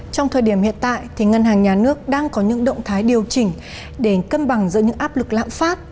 trong thời điểm hiện tại ngân hàng nhà nước đang có những động thái điều chỉnh để cân bằng giữa những áp lực lạm phát